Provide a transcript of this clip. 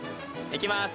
いきます。